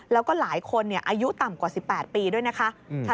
แล้วก็หลายคนอายุต่ำกว่า๑๘ปีด้วยนะคะ